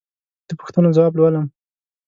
د پوښتنو ځواب لولم.